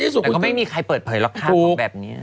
แต่ก็ไม่มีใครเปิดเผยหลอกฆ่าเขาแบบนี้